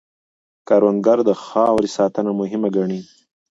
کروندګر د خاورې ساتنه مهم ګڼي